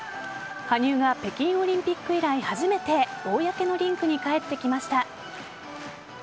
羽生が北京オリンピック以来初めて公のリンクに帰ってきました。